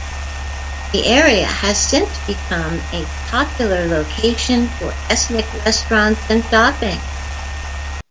The area has since become a popular location for ethnic restaurants and shopping.